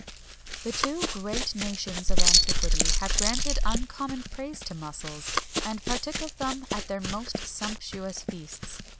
The two great nations of antiquity have granted uncommon praise to mussels, and partook of them at their most sumptuous feasts.